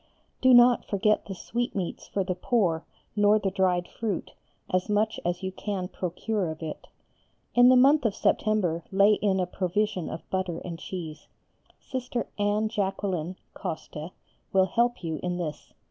Do not forget the sweetmeats for the poor nor the dried fruit, as much as you can procure of it. In the month of September lay in a provision of butter and cheese; Sister Anne Jacqueline (Coste) will help you in this.